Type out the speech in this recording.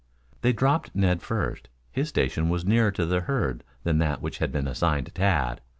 They dropped Ned first. His station was nearer to the herd than that which had been assigned to Tad.